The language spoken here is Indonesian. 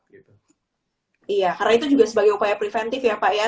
karena itu juga sebagai upaya preventif ya pak ya